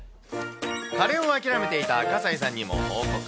カレーを諦めていた葛西さんにも報告。